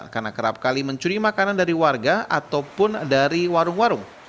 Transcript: karena kerap kali mencuri makanan dari warga ataupun dari warung warung